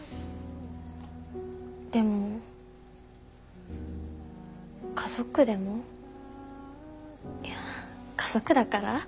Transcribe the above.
でも家族でもいや家族だから？